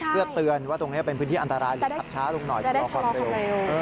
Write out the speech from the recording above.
เพื่อเตือนว่าตรงนี้เป็นพื้นที่อันตรายหรือขับช้าลงหน่อยชะลอความเร็ว